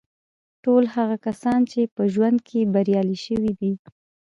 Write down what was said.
ټول هغه کسان چې په ژوند کې بریالي شوي دي